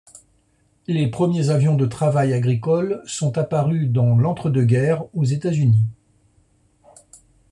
Les premiers avions de travail agricole sont apparus dans l'entre-deux-guerres aux États-Unis.